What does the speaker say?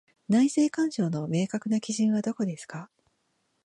内政干渉の明確な基準はどこですか？